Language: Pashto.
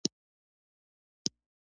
ارام پروت و، باران بیا پیل شو.